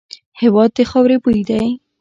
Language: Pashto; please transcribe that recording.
هېواد د خاوري بوی دی.